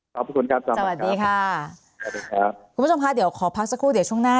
ขอบคุณครับสวัสดีค่ะสวัสดีครับคุณผู้ชมค่ะเดี๋ยวขอพักสักครู่เดี๋ยวช่วงหน้า